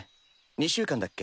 ２週間だっけ？